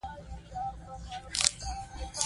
لوستې میندې د لاس مینځل عادت ګرځوي.